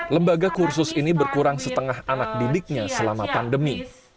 lembaga kursus ini berkurang setengah anak didiknya selama pandemi